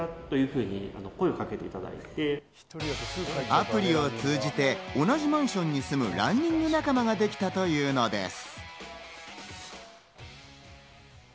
アプリを通じて同じマンションに住む、ランニング仲間ができたというのです。